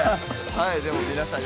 はいでも皆さん